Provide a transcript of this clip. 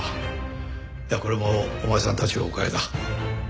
これもお前さんたちのおかげだ。